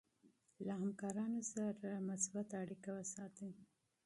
له همکارانو سره مثبت اړیکه وساتئ.